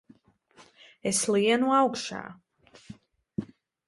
Es lienu augšā!